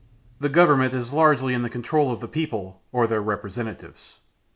The government is largely in the control of the people or their representatives.